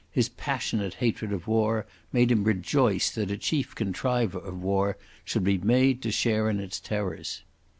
His passionate hatred of war made him rejoice that a chief contriver of war should be made to share in its terrors.